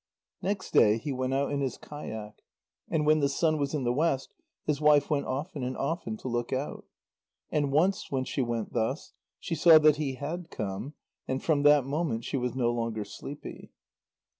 Next day he went out in his kayak, and when the sun was in the west, his wife went often and often to look out. And once when she went thus, she saw that he had come, and from that moment she was no longer sleepy.